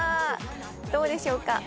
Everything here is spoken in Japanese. どうでしょうか。